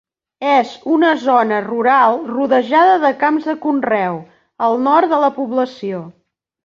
És en una zona rural rodejada de camps de conreu, al nord de la població.